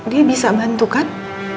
dia bisa bantu kan